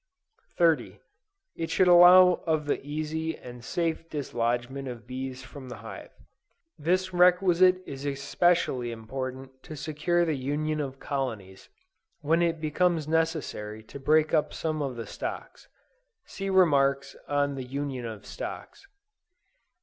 30. It should allow of the easy and safe dislodgement of the bees from the hive. This requisite is especially important to secure the union of colonies, when it becomes necessary to break up some of the stocks. (See remarks on the Union of Stocks.)